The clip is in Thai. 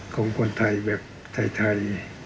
ของคนไทยแบบไทย